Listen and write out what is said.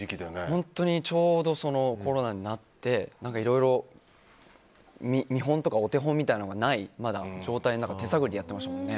本当にちょうどコロナになっていろいろ、見本とかお手本みたいなものがない状態の中手探りでやってましたもんね。